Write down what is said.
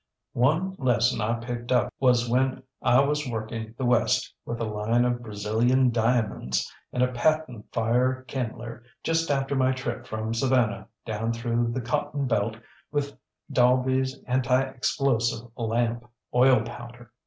One lesson I picked up was when I was working the West with a line of Brazilian diamonds and a patent fire kindler just after my trip from Savannah down through the cotton belt with DalbyŌĆÖs Anti explosive Lamp Oil Powder.